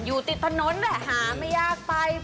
อยู่ติดถนนแหละหาไม่ยากไป